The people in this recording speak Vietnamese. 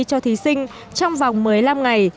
cho thí sinh trong vòng một mươi năm ngày